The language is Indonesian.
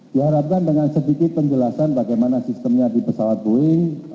diharapkan dengan sedikit penjelasan bagaimana sistemnya di pesawat boeing